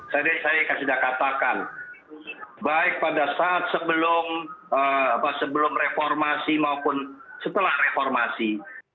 saya sudah katakan baik pada saat sebelum reformasi maupun setelah reformasi